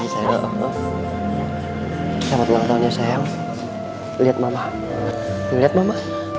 selamat ulang tahun ya sayang lihat mama lihat mama